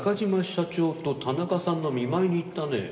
社長と田中さんの見舞いに行ったね。